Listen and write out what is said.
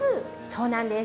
そうなんです。